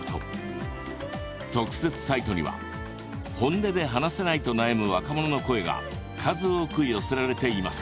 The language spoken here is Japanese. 特設サイトには本音で話せないと悩む若者の声が数多く寄せられています。